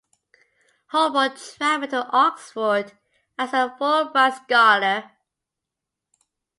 Holborn traveled to Oxford as a Fulbright Scholar.